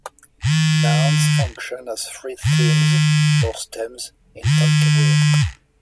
Nouns function as free themes, or stems, in Tonkawa.